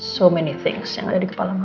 so many things yang ada di kepala mama